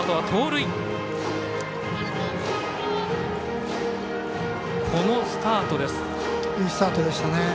いいスタートでしたね。